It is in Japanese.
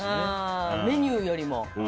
メニューよりも。